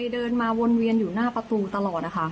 เดินมาวนเวียนอยู่หน้าประตูตลอดนะคะ